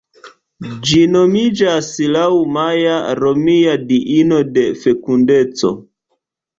Ĝi nomiĝas laŭ Maja, romia diino de fekundeco.